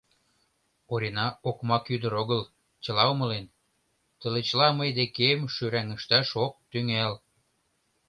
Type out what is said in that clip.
Орина окмак ӱдыр огыл, чыла умылен: тылечла мый декем шӱраҥышташ ок тӱҥал.